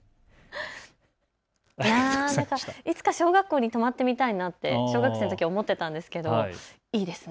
いつか小学校に泊まってみたいなって小学生のとき思っていたんですけれどいいですね。